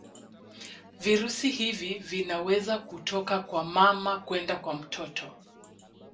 virusi hivi vinaweza kutoka kwa mama kwenda kwa mtoto